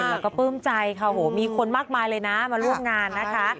แล้วก็ปลื้มใจค่ะโหมีคนมากมายเลยนะมาร่วมงานนะคะ